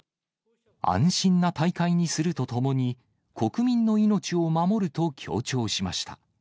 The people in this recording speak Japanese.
安心な大会にするとともに、国民の命を守ると強調しました。